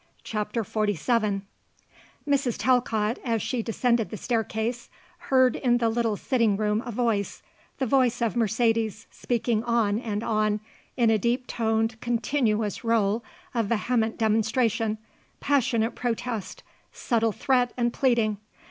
CHAPTER XLVII Mrs. Talcott, as she descended the staircase, heard in the little sitting room a voice, the voice of Mercedes, speaking on and on, in a deep toned, continuous roll of vehement demonstration, passionate protest, subtle threat and pleading.